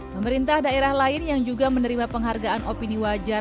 pemerintah daerah lain yang juga menerima penghargaan opini wajar